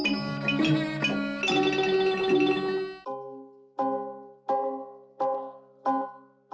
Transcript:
จะเป็นเรื่องของ